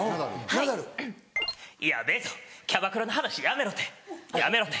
ヤッベェぞキャバクラの話やめろてやめろて。